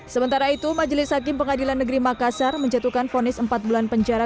sementara itu majelis hakim pengadilan negeri makassar menjatuhkan fonis empat bulan penjara